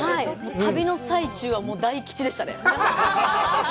旅の最中は大吉でしたね。